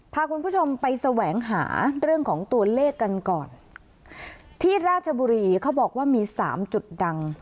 พาคุณผู้ชมไปแสวงหาเรื่องของตัวเลขกันก่อนที่ราชบุรีเขาบอกว่ามีสามจุดดัง